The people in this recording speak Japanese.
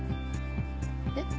えっ？